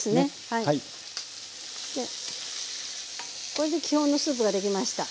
これで基本のスープができました。